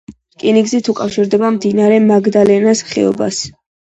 რკინიგზით უკავშირდება მდინარე მაგდალენას ხეობას.